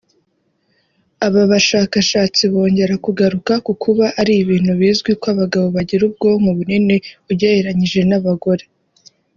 Aba bashakashatsi bongera kugaruka ku kuba ari ibintu bizwi ko abagabo bagira ubwonko bunini ugereranije n’abagore